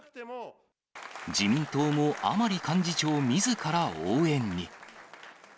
自民党も甘利幹事長みずから応援に。